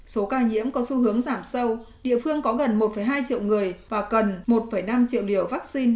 số ca nhiễm có xu hướng giảm sâu địa phương có gần một hai triệu người và cần một năm triệu liều vaccine